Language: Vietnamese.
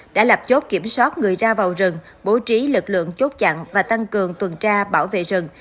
đã lập chốt kiểm soát người ra vào rừng bố trí lực lượng chốt chặn và tăng cường tuần tra bảo vệ rừng